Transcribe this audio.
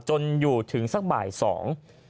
จนอยู่ถึงสักบ่ายสอง